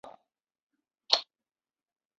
县是美国州以下的行政区划。